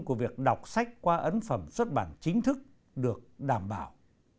của việc đọc sách qua ấn phẩm xuất bản chính thức được đảm bảo